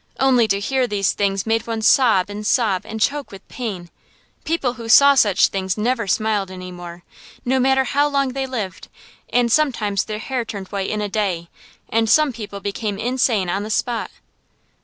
Only to hear these things made one sob and sob and choke with pain. People who saw such things never smiled any more, no matter how long they lived; and sometimes their hair turned white in a day, and some people became insane on the spot.